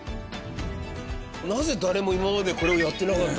なぜ誰も今までこれをやってなかったんだろう？